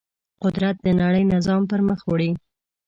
قدرت د نړۍ نظام پر مخ وړي.